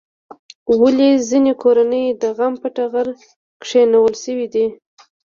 ولې ځینې کورنۍ د غم په ټغر کېنول شوې دي؟